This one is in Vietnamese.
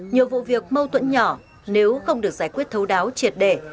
nhiều vụ việc mâu tuẫn nhỏ nếu không được giải quyết thấu đáo triệt đề